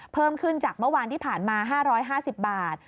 เพิ่มขึ้นจากเมื่อวานที่ผ่านมา๕๕๐บาท